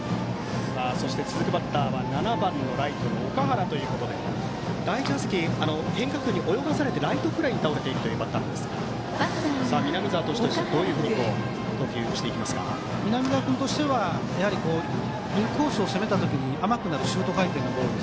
そして、続くバッターは７番ライトの岳原ということで第１打席、変化球に泳がされてライトフライに倒れたんですが南澤投手としてはどういうふうな南澤君としてはインコースを攻めた時に甘くなるシュート回転のボール。